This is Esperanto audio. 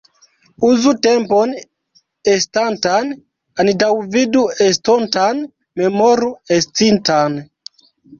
Uzu tempon estantan, antaŭvidu estontan, memoru estintan.